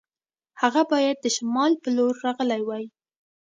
هغه باید د شمال په لور راغلی وای.